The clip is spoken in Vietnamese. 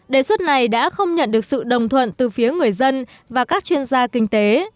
đề xuất này đã không nhận được sự đồng thuận từ phía người dân và các chuyên gia kinh tế